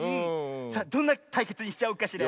さあどんなたいけつにしちゃおうかしら。